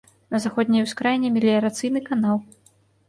На заходняй ускраіне меліярацыйны канал.